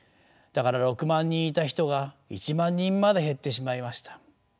だから６万人いた人が１万人まで減ってしまいました。